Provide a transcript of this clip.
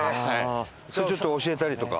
それはちょっと教えたりとか？